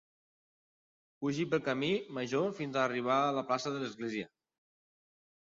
Pugi pel camí major fins a arribar a la plaça de l'església.